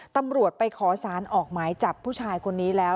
ตำรวจไปขอสารออกหมายจับผู้ชายคนนี้แล้ว